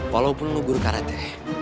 walaupun lu gurukarete